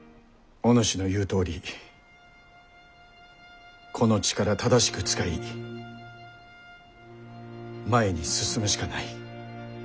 お主の言うとおりこの力正しく使い前に進むしかない。